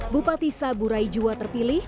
bupati saburai jua terpilih